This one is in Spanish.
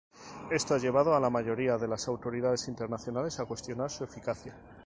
Esto ha llevado a la mayoría de las autoridades internacionales a cuestionar su eficacia.